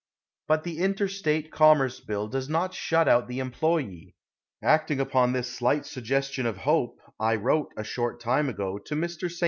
But the interstate commerce bill does not shut out the employe! Acting upon this slight suggestion of hope, I wrote, a short time ago, to Mr. St.